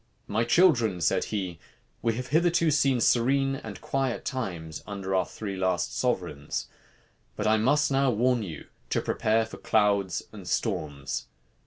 "My children," said he, "we have hitherto seen serene and quiet times under our three last sovereigns: but I must now warn you to prepare for clouds and storms.